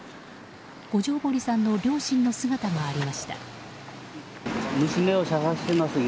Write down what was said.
五條堀さんの両親の姿がありました。